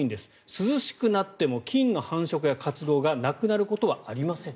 涼しくなっても菌の繁殖や活動がなくなることはありません。